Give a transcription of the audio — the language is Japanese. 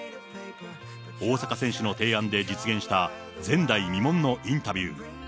大坂選手の提案で実現した、前代未聞のインタビュー。